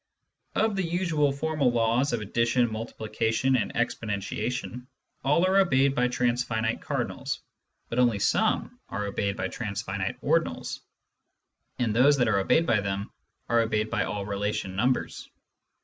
Of the usual formal laws of addition, multiplication, and ex ponentiation, all are obeyed by transfinite cardinals, but only some are obeyed by transfinite ordinals, and those that are obeyed by them are obeyed by all relation numbers.